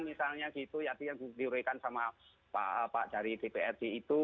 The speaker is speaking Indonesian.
misalnya gitu yang diurikan sama pak dari tprg itu